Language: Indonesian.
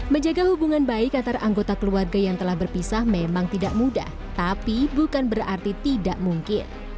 menjaga hubungan baik antara anggota keluarga yang telah berpisah memang tidak mudah tapi bukan berarti tidak mungkin